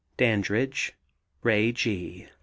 DANDRIDGE, RAY G.